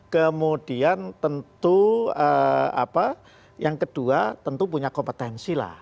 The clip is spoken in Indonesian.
kemudian tentu yang kedua tentu punya kompetensi lah